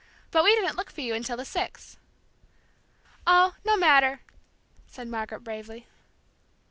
"But we didn't look for you until six." "Oh, no matter!" Margaret said bravely.